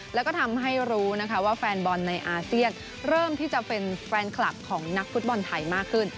แล้วก็ทำให้รู้นะคะว่าแฟนบอลในอาเซียนเริ่มที่จะเป็นแฟนคลับของนักฟุตบอลไทยมากขึ้น